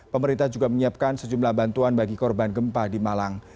pemerintah juga menyiapkan sejumlah bantuan bagi korban gempa di malang